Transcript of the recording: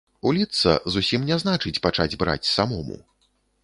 Уліцца, зусім не значыць пачаць браць самому.